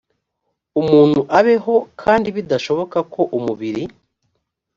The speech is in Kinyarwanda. umuntu abeho kandi bidashoboka ko umubiri